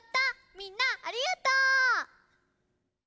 みんなありがとう！